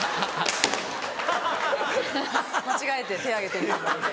間違えて手挙げてると思って。